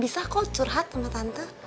bisa kok curhat sama tante